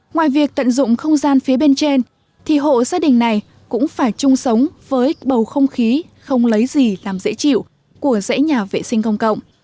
ngoài việc tận dụng không gian phía bên trên thì hộ gia đình này cũng phải chung sống với bầu không khí không lấy gì làm dễ chịu của dãy nhà vệ sinh công cộng